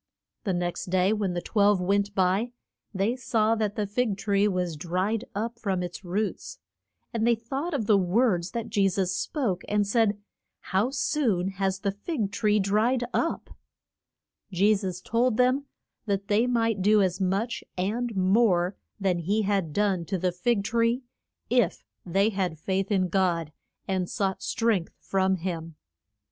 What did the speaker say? The next day when the twelve went by they saw that the fig tree was dried up from its roots. And they thought of the words that Je sus spoke, and said, How soon has the fig tree dried up! Je sus told them that they might do as much and more than he had done to the fig tree, if they had faith in God, and sought strength from him. [Illustration: CHRIST WEEP ING O VER JER U SA LEM.